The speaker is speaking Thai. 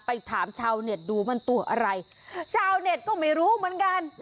ไปถามชาวเน็ตดูมันตัวอะไรชาวเน็ตก็ไม่รู้เหมือนกัน